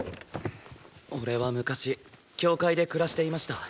俺は昔教会で暮らしていました。